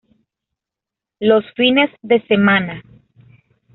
Los fines de semana.